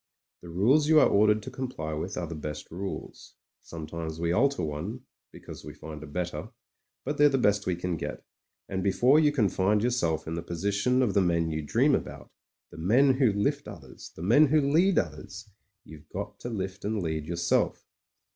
The rules you are ordered to comply with are the best rules. Sometimes we alter one — because we find a better; but they're the best we can get, and before you can find yourself in the position of the men you dream about — ^the men who lift others, the men who lead others — ^you've got to lift and lead yourself.